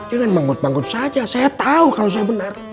jangan bangun bangun saja saya tahu kalau saya benar